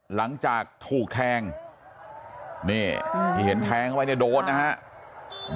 หลังจากถูกแทงนี่ที่เห็นแทงเข้าไปเนี่ยโดนนะครับ